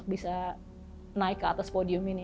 jadi kita mencapai mendapatkan medali yang lebih tinggi